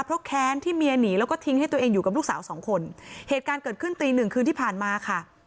เพราะแค้นที่เมียหนีแล้วก็ทิ้งให้ตัวเองอยู่กับลูกสาวสองคนเหตุการณ์เกิดขึ้นตีหนึ่งคืนที่ผ่านมาค่ะ